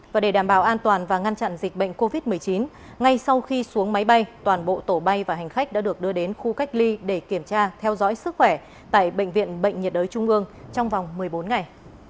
và để đảm bảo an toàn và ngăn chặn dịch bệnh covid một mươi chín ngay sau khi xuống máy bay toàn bộ tổ bay và hành khách đã được đưa đến khu cách ly để kiểm tra theo dõi sức khỏe tại bệnh viện bệnh nhiệt đới trung ương trong vòng một mươi bốn ngày